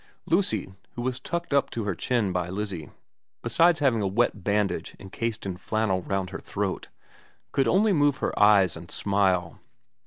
Lucy, who was tucked up to her chin by Lizzie, besides having a wet bandage encased in flannel round her throat, could only move her eyes and smile.